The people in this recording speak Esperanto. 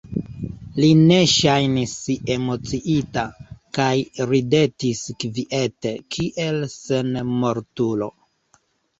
Li ne ŝajnis emociita, kaj ridetis kviete, kiel senmortulo.